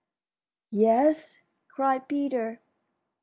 "Yes," cried Peter.